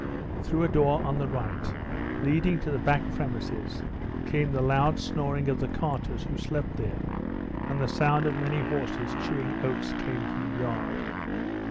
Through a door on the right, leading to the back premises, came the loud snoring of the carters, who slept there, and the sound of many horses chewing oats came from the yard.